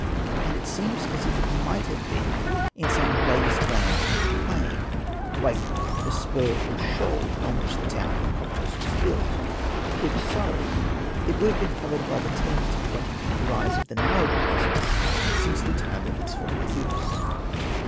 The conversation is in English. And it seems as if it might have been in some raised land in the plain, like the spur or shoal on which the town of Koptos was built. If so it would have been covered by the ten to twenty feet rise of the Nile deposits since the time of its former use.